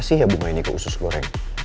saya mau bicarakan sesuatu